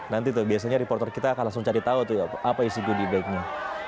nanti tuh biasanya reporter kita akan langsung cari tahu tuh apa isi gidibeknya